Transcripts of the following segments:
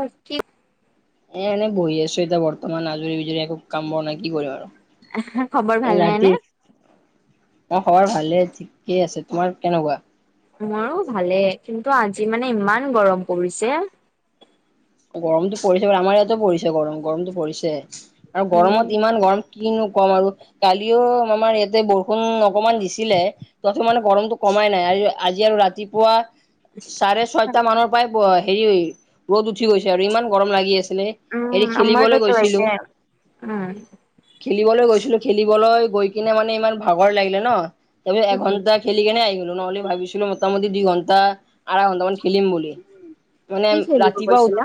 আৰু কি এ এনে বহি আছো এতিয়া বৰ্তমান আজৰি বিজুৰি একো কাম ব নাই কি কৰিব আৰু খবৰ ভাল নাই নে? অ খবৰ ভালে ঠিকে আছে, তোমাৰ কেনেকুৱা? মোৰো ভালেই কিন্তু আজি মানে ইমান গৰম পৰিছে গৰমতটো পৰিছে ব আমাৰ ইয়াতো পৰিছে গৰম গৰমতটো পৰিছে আৰু গৰমত উম ইমান গৰম কি নো কাম আৰু কালিও আমাৰ ইয়াতে বৰষুণ অকমান দিছিলে তথান গৰমটো কমাই নাই আজি আৰু ৰাতিপুৱা চাৰে ছয়টা মানৰ পৰাাই বোৱা হয় হেৰি ৰ'দ উঠি গৈছে আৰু ইমান গৰম লাগি আছে ছিল হেৰি উম আমাৰ খেলিবলৈ তাতো গৈছিলো একে উম। খেলিবলৈ গৈছিলো খেলিবলৈ গৈ কিনে মানে ইমান ভাগৰ লাগিলে ন উম উম এঘন্টা খেলি কেনে আহি গলো নহলে ভাবিছিলো মোটা মোটি দুই ঘন্টা আধা ঘণ্টা মান খিলিম বুলি মানে ৰা কৈছিলা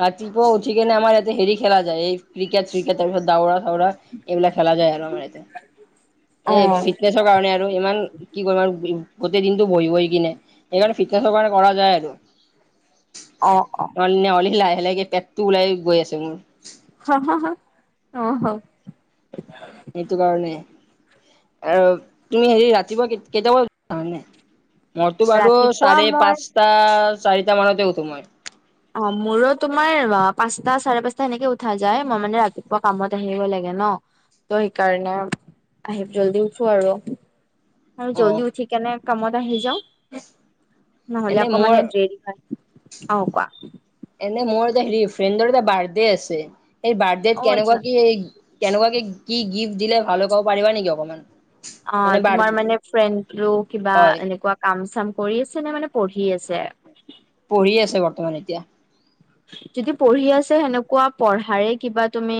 ৰাতিপুৱা উঠি কেনে আমাৰ ইয়াতে হেৰি খেলা যায় এই ক্ৰিকেট চ্ৰিকেট তাৰ পিছত দাওৰা চাওৰা এইবিলাক খেলা যায় আৰু আমাৰ এইয়াতে অ এই ফিটনেছৰ কাৰণে আৰু ইমান কি কৰিম আৰু গোটেই দিনটো বহি বহি কিনে সেইকাৰণে ফিটনেছৰ কাৰণে কৰা যায় আৰু অ অ নহ'লে লাহে লাহকে পেটটো ওলাই গৈ আছে মোৰ হ হা অ হ সেইটো কাৰণে আৰু তুমি হেৰি ৰাতিপুৱা কেইটা বজাত নে মইতো বাৰু ৰাতিপুৱা চাৰে মই পাঁচটা চাৰিটা মানতে উঠো মই অ মোৰো তোমাৰ পাঁচটা চাৰে পাঁচটা সেনেকে উঠা যায় মই মানে ৰাতিপুৱা কামত আহিব লাগে ন ত' সেইকাৰণে আহি জল্দি উঠো আৰু আৰু জল্দি অ', উঠি কেনে কামত আহি যাও নহলে এনে আকৌ মোৰ মানে দেৰি হয় আহ কোৱা এনে মোৰ এটা হেৰি ফ্ৰেণ্ডৰ এটা বাৰ্থডে আছে সেই অ বাৰ্থডত আচ্ছা কেনেকুৱা কি কেনেকুৱাকে কি গিফ্ট দিলে ভালে পাব পাৰিবা নেকি অকমান অ মানে বাৰ তোমাৰ মানে ফ্ৰেণ্ডো কিবা হয় এনেকুৱা কাম চাম কৰি আছে নে মানে পঢ়ি আছে পঢ়ি আছে বৰ্তমান এতিয়া যদি পঢ়ি আছে সেনেকুৱা পঢ়াৰে কিবা তুমি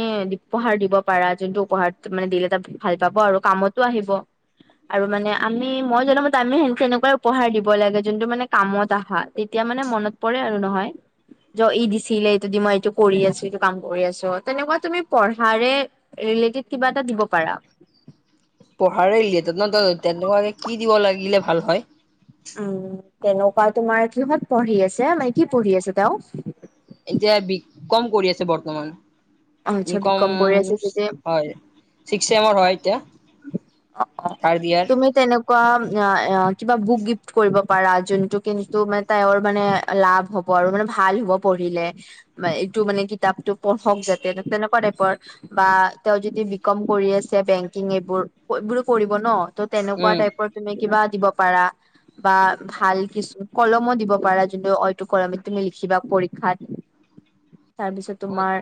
উপহাৰ দিব পাৰা যোনটো উপহাৰ মানে দিল এটা ভাল পাব হ আৰু কামতো আহিব আৰু মানে আমি মই জনামতে আমি সে সেনেকুৱাই উপহাৰ দিব লাগে যোনটো মানে কামত আহা তেতিয়া তাৰ মানে মনত পৰে আৰু নহয় জ ই দিছিলে এইটো দি মই এইটো কৰি আছো এইটো কাম কৰি আছো তেনেকুৱা তুমি পঢ়াৰে ৰিলে তিভ কিবা এটা দিব পাৰা পঢ়াৰে ৰিলেটেড তেনেকোৱাকে কি দিব লাগিলে ভাল হয় উম তেনেকোৱা তোমাৰ কিহত পঢ়ি আছে মানে কি পঢ়ি আছে তেওঁ এতিয়া বি কম কৰি আছে বৰ্তমান আচ্ছা বি কম কৰি আছে যদি হয় চিক্স চেমৰ হয় এতিয়া অ অ থাৰ্ড ইয়াৰ তুমি তেনে কোৱা কিবা বুক গিফ্ট কৰিব পাৰা যোনটো কিন্তু মানে তাইৰো মানে লাভ হব হ আৰু মানে ভাল হ'ব পঢ়িলে ম এইটো মানে কিতাপটো পঢ়ক যাতে তেনেকোৱা টাইপৰ বা তেওঁ যদি বি কম কৰি আছে বেংকিং এইবোৰ বোৰো কৰিব ন ত তেনেকোৱা উম, টাইপৰ তুমি কিবা দিব পাৰা বা ভাল কিছু কলমো দিব পাৰা যোনটো এইটো কলমে তুমি লিখিবা পৰীক্ষাত। [unintelligible] তাৰপিছত অ' তোমাৰ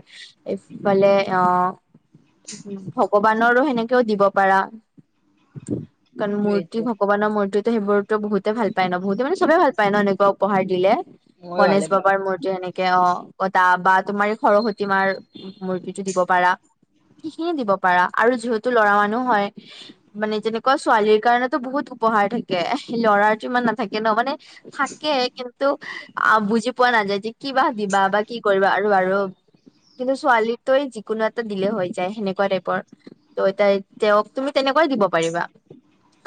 এইফালে অহ ভগৱানৰো সেনেকেও দিব পাৰা কাৰণ মূৰ্তি এইটো ভগৱানৰ মূৰ্তি ত সেইবোৰতো বহুতে ভাল পায় ন বহুতে মানে চবেই ভাল পায় ন এনেকুৱা উপহাৰ দিলে মই গণেশ ভালে বাবাৰ মূৰ্তি সেনেকে, অ গঢ়ি বা তোমাৰ সৰসতী মাৰ মূৰ্তিটো দিব পাৰা সিখিনি দিব পাৰা আৰু যিহেতু লৰা মানুহ হয় মানে যেনেকুৱা ছোৱালীৰ কাৰণেতো বহুত উপহাৰ থাকে ল'ৰাৰতো ইমান নাথাকে ন মানে থাকে কিন্তু অ বুজি পোৱা নাযায় যে কিবা দিবা বা কি কৰিবা আৰু-আৰু কিন্তু ছোৱালী তই যিকোনো এটা দিলেই হৈ যায় সেনেকুৱা টাইপৰ ত এতিয়া তেওঁক তুমি তেনেকুৱাই দিব পাৰিবা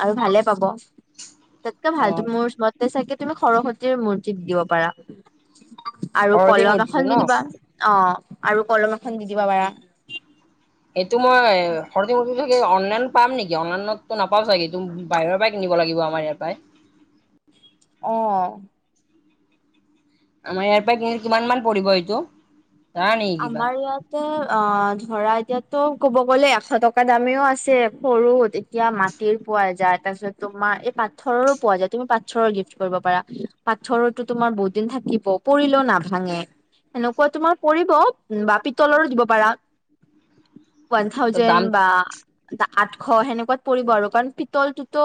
আৰু ভালে পাব তাতকে ভাল পাওঁ অ'। মোৰ মতে চাগে তুমি সৰসতীৰ মূৰ্তি। দিব পাৰা আৰু সৰস্বতী কলম মূৰ্তিটো এখন ন দি দিবা অ আৰু কলম এখন দি দিব পাৰা এইটো মই [unintelligible] অনলাইন পাম নেকি? অনলাইনতো নাপাম চাগে এইটো। বাহিৰৰ পৰাই কিনিব লাগিব আমাৰ ইয়াৰ পৰাই। অ' আমাৰ ইয়াৰ পৰাই কিনিলে কিমান মান পৰিব এইটো জানা নেকি কিবা আমাৰ ইয়াতে অ ধৰা এতিয়াতো ক'ব গ'লে এশ টকা দামেও আছে। সৰু এতিয়া মাটিৰ পোৱা যায়। তাৰ পিছত তোমাৰ এই পাথৰৰো পোৱা যায়। তুমি পাথৰৰ গিফ্ট কৰিব পাৰা। পাথৰৰটো তোমাৰ বহুত দিন থাকিব, পৰিলেও নাভাঙে। সেনেকুৱা তোমাৰ পৰি ত বা পিতলৰো দিব পাৰা। ৱান ত থাউজেণ্ড দাম বা দা আঠশ সেনেকুৱাত পৰিব আৰু কাৰণ পিতলটোত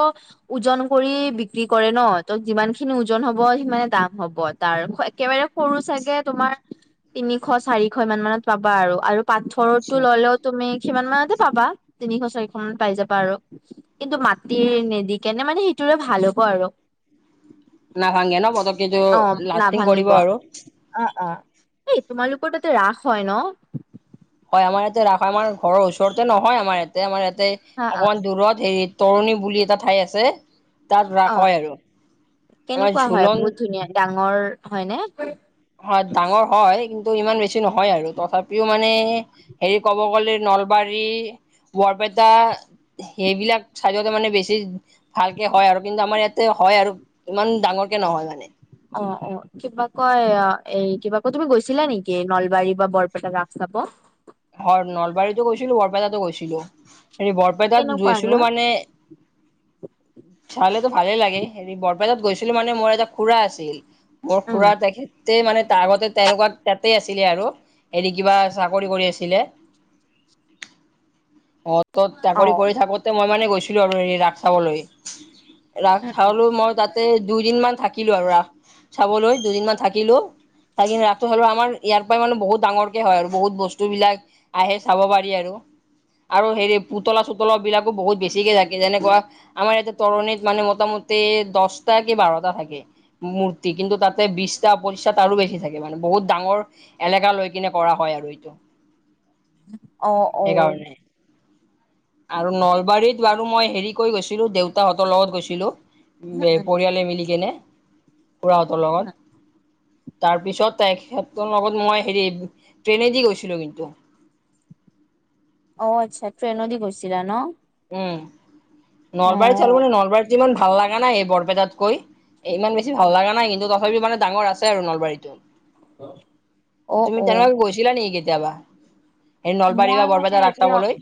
ওজন কৰি বিক্ৰী কৰে ন ত যিমান যিমানখিনি ওজন হব সিমানে দাম হ'ব তাৰ একেবাৰে সৰু চাগে তোমাৰ তিনি এশ, চাৰিশ ইমান মানত পাবা আৰু। আৰু পাথৰৰটো আচ্ছা ল'লেও তুমি সিমান মানতে পাবা তিনিশ, চাৰিশ মানত পাই যাবা আৰু কিন্তু মাটিৰ নেদি কেনে মানে সেইটোৰে ভাল হ'ব আৰু। নাভাংগে ন পতককেটো, অ লাষ্টিং কৰিব নাভাঙিব আৰু অ অ এই তোমালোকৰ তাতে ৰাস হয় ন? হয় আমাৰ ইয়াতে ৰাস হয় আমাৰ ঘৰৰ ওচৰতে নহয় আমাৰ ইয়াতে আমাৰ ইয়াতে হা অ অকমান দূৰত হেৰিত তৰুণী বুলি এটা ঠাই আছে তাত অ ৰাস হয় আৰু কেনেকুৱা ইয়াত হয় ঝুলন বহুত ধুনীয়া ডাঙৰ হয় নে হয় ডাঙৰ হয় কিন্তু ইমান বেছি নহয় আৰু তথাপিও মানে হেৰি ক'ব গ'লে নলবাৰী বৰপেটা সেইবিলাক চাইডতে মানে বেছি ভালকে হয় আৰু কিন্তু আমাৰ ইয়াতে হয় আৰু ইমান ডাঙৰ কে নহয় মানে। অ-অ কিবা কয় এই কিবা কয় তুমি গৈছিলা নিকি নলবাৰী বা বৰপেটা ৰাস চা হব হেল্ল' হেৰি বৰপেটাত কেনেকুৱানো? গৈছিলোঁ মানে, চালেতো ভালে লাগে হেৰি বৰপ মই তাত গৈছিলোঁ মানে মোৰ এটা খুৰা আছিল। মোৰ উম খুৰা তেখেত তাতে মানে তাৰ আগতে তেনেকুৱা তাতে আছিলে আৰু, হেৰি কিবা চাকৰি কৰি আছিল দিলে। অত তত অ চাকৰি কৰি থাকোতে মই মানে গৈছিলোঁ আৰু হেৰি ৰাস চাবলৈ। ৰাস উম উম চালো মই তাতে দুইদিনমান থাকিলোঁ আৰু ৰাস চাবলৈ, দুদিনমান থাকিলোঁ। চাই কিনে ৰাতি হ'লে আমাৰ ইয়াৰ পৰাই মানে বহুত ডাঙৰ কে হয় আৰু বহুত বস্তু বস্তুবিলাক আহে চাব পাৰি আৰু আৰু হেৰি পুতলা-চুতলাবিলাকো বহুত বেছিকে থাকে যেনেকুৱা আমাৰ ইয়াতে তৰণিত মানে মোটামুটি তাতে দছটা কি বাৰটা থাকে মূৰ্তি কিন্তু তাতে বিশটা পঁচিশটা আৰু বেছি থাকে মানে বহুত ডাঙৰ এলেকা লৈ কিনে কৰা হয় আৰু এইটো অ-অ। সেইকাৰণে আৰু নলবাৰীত বাৰু মই হেৰি কৈ গৈছিলো। দেউতাহঁতৰ লগত গৈছিলো। উম উম পৰিয়ালে মিলি কেনে। খুৰাহঁতৰ উম লগত। তাৰ পিছত তেখেতৰ লগত মই হেৰি ট্ৰেনেদি গৈছিলো কিন্তু। য। অ আচ্ছা ট্ৰেইনদি গৈছিলা ন? উম। অ নলবাৰীত চালো মানে নলবাৰীত যিমান ভাল লাগে নাই এই বৰপেটাতকৈ। ইমান বেছি ভাল লাগা নাই কিন্তু তথাপিও মানে ডাঙৰ আছে আৰু নলবাৰীতো। অ তুমি অ তেনেহলে গৈছিলা নেকি কেতিয়াবা? এই নলবাৰী বা বৰপেটা ৰাস চাবলৈ।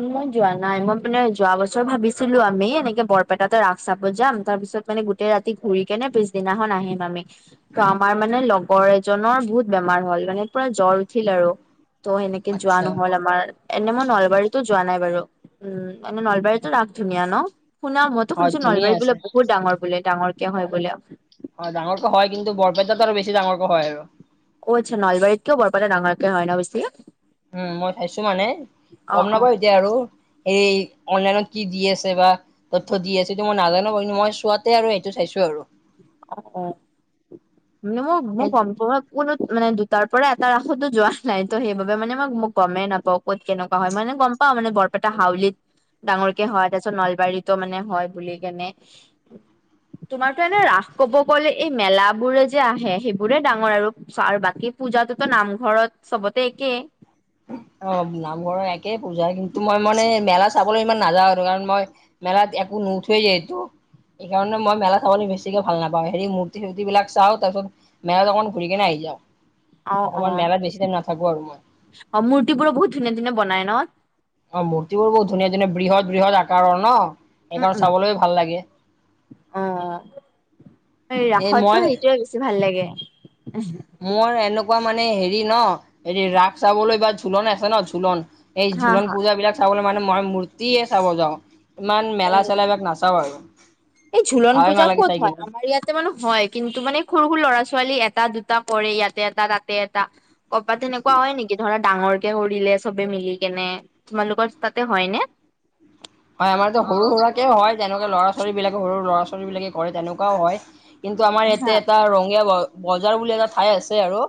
ওহো যোৱা নাই মই মানে যোৱা বছৰ ভাবিছিলো আমি এনেকে বৰপেটাতে ৰাস চাব যাম। তাৰ পিছত মানে গোটেই ৰাতি ঘূৰি কেনে পিছদিনাখন আহিম আমি ত আমাৰ মানে লগৰ এজনৰ বহুত বে মাৰ হল মানে পুৰা জ্বৰ উঠিল আৰু ত সেনেকে যোৱা আচ্ছা নহ'ল আমাৰ। এনে মই নলবাৰীতো যোৱা নাই বাৰু। উম মানে নলবাৰীতো ৰাস ধুনীয়া ন? শুনা মইতো হয় শুনছো ধুনীয়া নলবাৰীত আছে বোলে বহুত ডাঙৰ বোলে ডাঙৰকে হয় বোলে। হয় ডাঙৰকটো হয় কিন্তু বৰপেটাত আৰু বেছি ডাঙৰকৈ হয় আৰু। অ আচ্ছা নলবাৰীত কেও বৰপেটাত ডাঙৰকে হয় ন বেছি? উম মই চাইছো মানে অ গম অ নাপাওঁ এতিয়া আৰু। সেই অনলাইনত কি দি আছে বা তথ্য দি আছে সেটো মই নাজানো কৈ কিনি মই চোৱাতে আৰু সেইটো চাইছো আৰু। অ অ মানে মই মই গম পোৱা কোনো মানে দুটাৰ পৰা এটা ৰাসতো যোৱা নাই। ত সেইবাবে মানে মই মোক গমেই নাপাওঁ ক'ত কেনেকোৱা হয় মানে গম মানে বৰপেটা হাউলিত। ডাঙৰকে হয় তাৰ পিছত নলবাৰীতো মানে হয় বুলি কেনে তোমাৰতো এনে ৰাস ক'ব গ'লে এই মেলা বোৰে যে আহে সেইবোৰে ডাঙৰ আৰু আৰু বাকী পূজাতোত নামঘৰত চবতে একে। টো মই মানে মেলা চাবলে ইমান নাযাওঁ আৰু কাৰণ মই মেলাত একো নুঠুয়ে যে এটো। সেইকাৰণে মই মেলা চাবলে বেছিকে ভাল নাপাওঁ হেৰি মূৰ্তি সূৰ্তি বিলাক চাওঁ। তাৰ পিছত মেলাত অকণ ঘূৰি কেনে আহি অ অ অসমত মেলাত বেছি টাইম নাথাকো আৰু মই। অ মূৰ্তিবোৰ বহুত ধুনীয়া ধুনীয়া বনাই ন? অ মূৰ্তি বোৰ বহু ধুনীয়া ধুনীয়া বৃহৎ বৃহৎ আকাৰৰ ন। উম এইকাৰণে উম চাবলৈও ভাল লাগে। অ এই ৰাসতটো মই সেইটোৱে বেছি ভাল লাগে। মোৰ এনেকোৱা মানে হেৰি ন হেৰি ৰাস চাবলৈ বা ঝোলন আছে ন ঝোলন। এই হা ঝোলন হা পূজাবিলাক চাবলে মানে মই মূৰ্তিয়ে চাব যাওঁ। ইমান মেলা অ চেলা এইবিলাক নাচাও আৰু। এই ঝোলন ভালে পূজা নালাগে ক'ত চাই হয়? কিনে আমাৰ ইয়াতে মানে হয়, কিন্তু মানে সৰু-সৰু ল'ৰা ছো ছোৱালী এটা, দুটা পৰে ইয়াতে এটা, তাতে এটা। ক'ৰবাত তেনেকুৱা হয় নেকি? ধৰা ডাঙৰ কে কৰিলে চবে মিলি কেনে, তোমালোকৰ তাতে হয় নে? হয়। আমাৰতো সৰু-সুৰাকে হয়। যেনেকে ল'ৰা ছোৱালী বিলাকে, সৰু ল'ৰা-ছোৱালী বিলাকে কৰে তেনেকুৱাও হয়। কিন্তু আমাৰ হা ইয়াতে এটা ৰঙীয়া, ব বজাৰ বুলি এটা ঠাই আছে আৰু।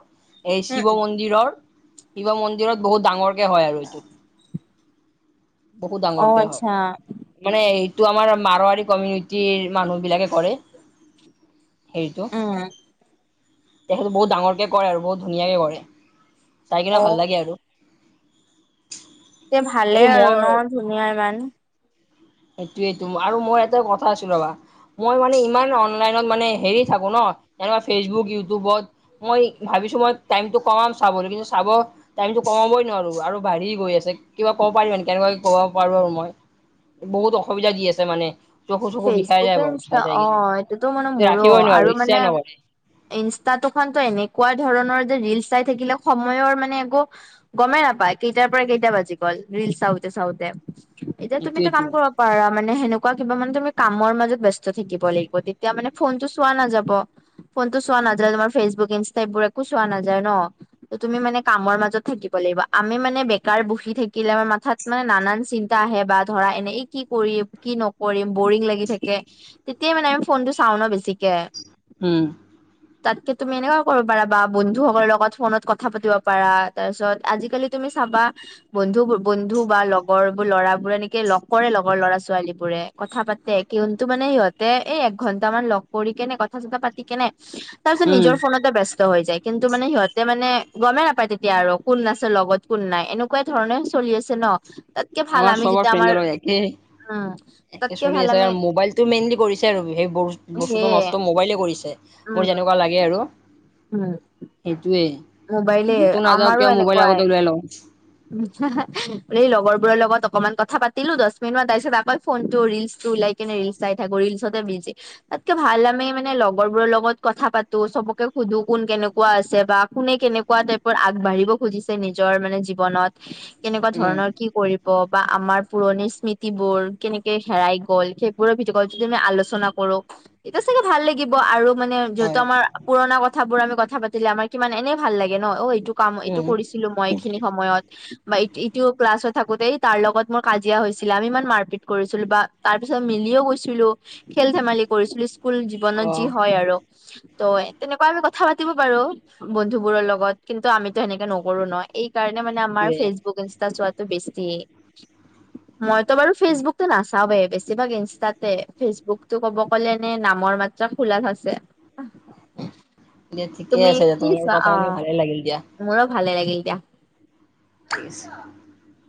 এই উম শিৱ উম, মন্দিৰৰ শিৱ মন্দিৰত বহুত ডাঙৰকে হয় আৰু এইটোত। বহুত অ ডাঙৰকে হয়। আচ্ছা মানে এইটো আমাৰ মাৰোৱাৰী কমিউনিটিৰ মানুহ বিলাকে কৰে। হেৰিটো উম তেখেতটো বহুত ডাঙৰকে কৰে আৰু বহুত ধুনীয়াকে কৰে। চাই কিনে অ ভাল লাগে আৰু। এ এই ভালেই আৰু মোৰ ন ধুনীয়া ইমান। সেইটোৱে টো আৰু মই এটা কথা আছিল ৰবা। মই মানে ইমান অনলাইনত মানে হেৰি থাকো ন, সেনেকা ফেচবুক, ইউটিউবত। মই ভাবি ভাবিছোঁ মই টাইম টো কমাম চাবলৈ, কিন্তু চাব টাইমটো কমাবই নোৱাৰো আৰু বাঢ়ি গৈ আছে, কিবা কেনেকুৱা কে ক'ব পাৰো আৰু মই, বহুত অসুবিধা দি আছে মানে। চকু-চকু বিষাই ফেচবুকে যায় বাৰু, ইনষ্টা চাই-চাই অ কিনে এইটোতো মানে কিন্তু মোৰো ৰাখিবই আৰু নোৱাৰো, মানে ইচ্ছাই নকৰে। ইনষ্টাটো খন এনেকুৱা ধৰণৰ যে ৰিলচ চাই থাকিলে সময়ৰ মানে একো গমেই নাপায়। কেইটাৰ পৰা কেইটা বাজি গ'ল ৰিলচ চাওঁতে-চাওঁতে। এতিয়া তুমি এটা কাম এইটোয়েইটো কৰিব পাৰা, মানে সেনেকুৱা কিবা মানে তুমি কামৰ মাজত ব্যস্ত থাকিব লাগিব, তেতিয়া মানে ফোনটো চোৱা নাযাব। ফোনটো চোৱা নাযায়, তোমাৰ ফেচবুক, ইনষ্টা এইবোৰ একো চোৱা নাযায় ন, তুমি মানে কামৰ মাজত থাকিব। লাগিব, আমি মানে বেকাৰ, বহি থাকিলে আমাৰ মাথাত মানে নানান চিন্তা আহে বা ধৰা এনে কি কৰি কি নকৰিম বৰিং লাগি থাকে, তেতিয়া মানে আমি ফোনটো চাওঁ ন বেছিকে হম তাতকে তুমি এনেকুৱা কৰিব পাৰা বা বন্ধুসকলৰ লগত ফোনত কথা পাতিব পাৰা, তাৰপিছত আজিকালি তুমি চাবা বন্ধু-বন্ধু বা লগৰ ল'ৰা বোৰে এনেকে লগ কৰে, লগৰ ল'ৰা ছোৱালী বোৰে কথা পাতে, কিন্তু মানে সিহঁতে এই এক ঘন্টা তা মান লগ কৰি কেনে কথা-চথা পাতি কেনে তাৰ পিছত উম নিজৰ ফোনতে ব্যস্ত হৈ যায়, কিন্তু মানে সিহঁতে মানে গমেই নাপায় তেতিয়া আৰু কোন আছে লগত, কোন নাই এনেকুৱা ধৰণে চলি আছে ন। তাতকে ভাল আমাৰ আমি সবৰ যেতিয়া ফ্ৰেণ্ আমাৰ জল একে। উম একে তাতকে চলি ভাল আছে আমি আৰু মোবাইলটো মেইনলি কৰিছে আৰু সেই বস্তুটো সেয়ে নষ্ট মোবাইলে কৰিছে। মোৰ উম যেনেকুৱা লাগে আৰু। উম, সেইটোয়ে মোবাইলে যতো নাযাওঁ আমাৰো কিয় মোবাইল এনেকুৱাই। আগতে ওলাই লওঁ। এই লগৰবোৰৰ লগত অকণমান কথা পাতিলো দহ মিনিটমান তাৰপিছত আকৌ ফোনটো, ৰিলচটো ওলাই কিনে ৰিলচ চাই থাকো, ৰিলচতে বিজি। তাতকে ভাল আমি মানে লগৰবোৰৰ লগত কথা পাতো। চবকে সুধো কোন, কেনেকুৱা আছে বা কোনে, কেনেকুৱা টাইপৰ আগবাঢ়িব খুজিছে, নিজৰ মানে জীৱনত কেনেকুৱা উম ধৰণৰ কি কৰিব? বা আমাৰ পুৰণি স্মৃতিবোৰ কেনেকে হেৰাই গ'ল, সেইবোৰৰ ভিডিঅ'কল যদি মই আলোচনা কৰো। এতিয়া চাগে ভাল লাগিব আৰু। মানে যিহেতু হয় আমাৰ পুৰণা কথাবোৰ আমি কথা পাতিলে, আমাৰ কিমান এনেই ভাল লাগে ন, অ, এইটো কাম এইটো উম কৰিছিলো মই, এইখিনি সময়ত। বা ই-ইটো ক্লাছত থাকোতেই তাৰ লগত মোৰ কাজিয়া হৈছিলে, আমি ইমান মাৰপিট কৰিছিলো বা তাৰ পিছত মিলি [unintelligible] আমিয়ো গৈছিলোঁ, খেল-ধেমালি কৰিছিলোঁ স্কুল জীৱনত। অ যি হয় আৰু ত এক আমি কথা পাতিব পাৰো বন্ধু বোৰৰ লগত, কিন্তু আমিতো সেনেকে নকৰো ন, এই সেই কাৰণে মানে আমাৰ সেইটোৱে ফেচবুক, ইনষ্টা চোৱাটো বেছি, মইতো বাৰু ফেচবুকতো নাচা চাও বে, বেছিভাগ ইনষ্টাতে, ফেচবুক টো ক'ব ক'লে নে নামৰ মাত্ৰা খোলা আছে। দিয়া ঠিকে তুমি আছে দিয়া কি তোমাৰ লগত কথা চোৱা? পাতি ভালে লাগিল দিয়া অ মোৰ ভালে লাগিল এতিয়া। [unintelligible]